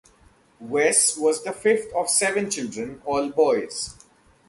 Wes was the fifth of seven children, all boys.